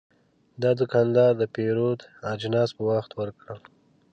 دا دوکاندار د پیرود اجناس په وخت ورکړل.